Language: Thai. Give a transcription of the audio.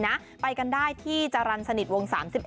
ของคุณลุงจันดีนะไปกันได้ที่จรรสนิทวงศ์๓๑